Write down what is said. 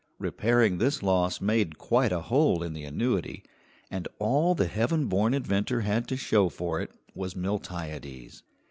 Repairing this loss made quite a hole in the annuity, and all the heaven born inventor had to show for it was Miltiades.